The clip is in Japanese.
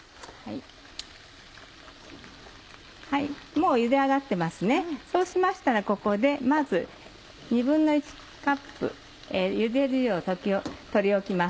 もうゆで上がってますねそうしましたらここでまず１／２カップゆで汁を取り置きます。